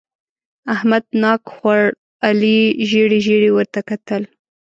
احمد ناک خوړ؛ علي ژېړې ژېړې ورته کتل.